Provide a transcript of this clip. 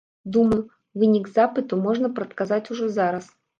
Думаю, вынік запыту можна прадказаць ужо зараз.